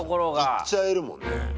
いっちゃえるもんね。